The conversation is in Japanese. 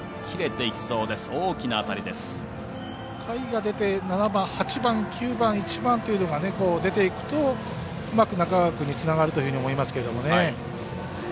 下位が出て、７番、８番、９番１番っていうのが出ていくとうまく中川君につながるというふうに思いますけどね。